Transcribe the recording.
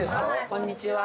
こんにちは